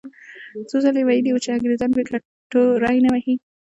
څو ځلې یې ویلي وو چې انګریزان بې ګټو ری نه وهي.